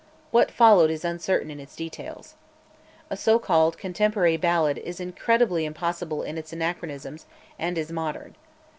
What followed is uncertain in its details. A so called "contemporary ballad" is incredibly impossible in its anachronisms, and is modern.